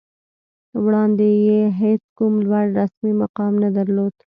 وړاندې یې هېڅ کوم لوړ رسمي مقام نه درلود